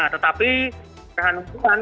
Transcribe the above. tetapi gerhana bulan